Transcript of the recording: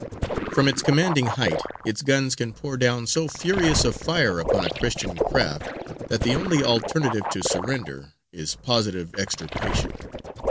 From its commanding height its guns can pour down so furious a fire upon a Christian craft that the only alternative to surrender is positive extirpation.